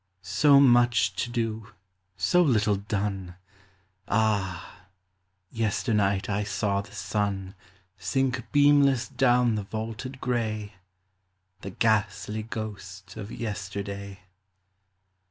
So much to do : so little done ! Ah I yesternight I saw the sun Sink beamless down the vaulted gray, — The ghastly ghost of Yesterday.